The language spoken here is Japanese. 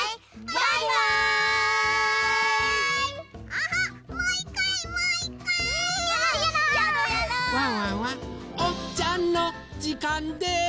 ワンワンはおちゃのじかんです。